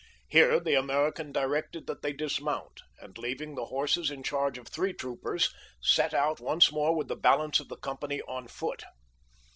Here the American directed that they dismount, and, leaving the horses in charge of three troopers, set out once more with the balance of the company on foot.